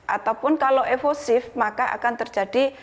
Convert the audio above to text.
ataupun kalau evosif maka akan terjadi